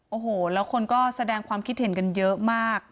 โอ้โหแล้วคนก็แสดงความคิดเห็นกันเยอะมาก